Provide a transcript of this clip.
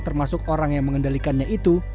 termasuk orang yang mengendalikannya itu